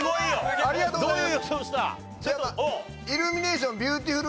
ありがとうございます。